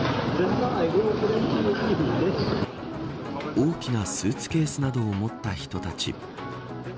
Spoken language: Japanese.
大きなスーツケースなどを持った人たち。